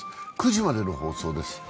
９時までの放送です。